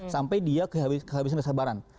sampai dia kehabisan kesabaran